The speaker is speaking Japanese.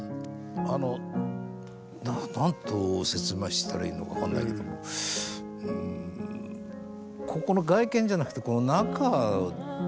あの何と説明したらいいのか分かんないけどもここの外見じゃなくてへえ。